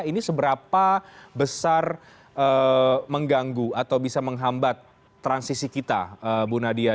ini seberapa besar mengganggu atau bisa menghambat transisi kita bu nadia